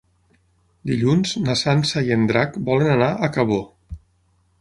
Dilluns na Sança i en Drac volen anar a Cabó.